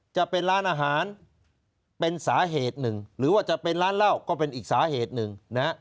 จะเป็นร้านอาหารเป็นสาเหตุหนึ่งหรือว่าจะเป็นร้านเหล้าก็เป็นอีกสาเหตุหนึ่งนะฮะ